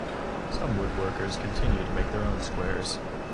Some woodworkers continue to make their own squares.